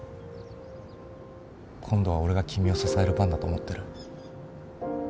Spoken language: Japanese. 今度は俺が君を支える番だと思ってる。